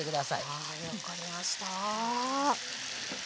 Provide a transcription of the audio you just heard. はい分かりました。